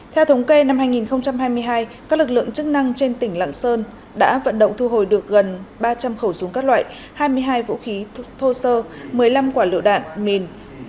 theo thống kê năm hai nghìn hai mươi hai các lực lượng chức năng trên tỉnh lạng sơn đã vận động thu hồi được gần ba trăm linh khẩu súng các loại hai mươi hai vũ khí thô sơ một mươi năm quả lựu đạn